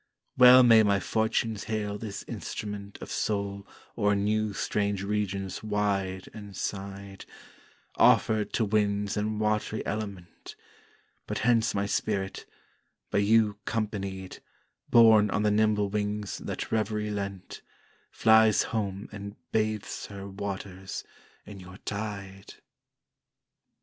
Well may my Fortunes hale this instrument Of Soul o'er new strange regions wide and side, Offered to winds and watery element: But hence my Spirit, by you 'companied, Borne on the nimble wings that Reverie lent, Flies home and bathes her, Waters! in your tide.